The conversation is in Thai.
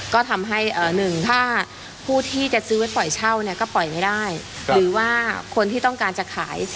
ก็ทำให้หนึ่งถ้าผู้ที่จะซื้อไว้ปล่อยเช่าเนี่ยก็ปล่อยไม่ได้หรือว่าคนที่ต้องการจะขาย